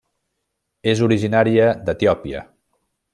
És originària d'Etiòpia.